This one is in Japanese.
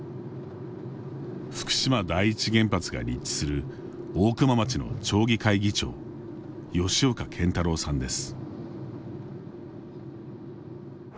福島第一原発が立地する大熊町の町議会議長、吉岡健太郎さんです。